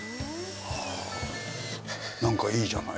何かいいじゃない。